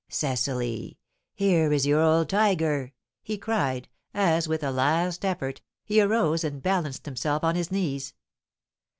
Cecily, here is your old tiger!" he cried, as, with a last effort, he arose and balanced himself on his knees.